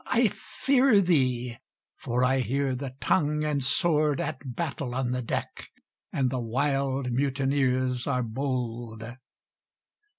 I fear thee, for I hear the tongue and sword At battle on the deck, and the wild mutineers are bold!